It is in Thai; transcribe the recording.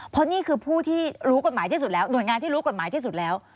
เพราะนี่คือผู้ที่รู้กฎหมายที่สุดแล้วหน่วยงานที่รู้กฎหมายที่สุดแล้ว